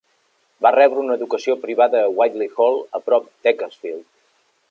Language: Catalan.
Va rebre una educació privada a Whitley Hall a prop d'Ecclesfield.